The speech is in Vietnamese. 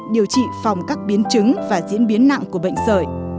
điều trị phòng các biến chứng và diễn biến nặng của bệnh sởi